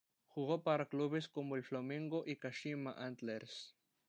Jugó para clubes como el Flamengo y Kashima Antlers.